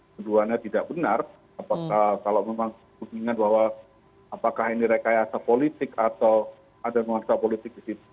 keduanya tidak benar apakah kalau memang ingat bahwa apakah ini rekayasa politik atau ada nuansa politik di situ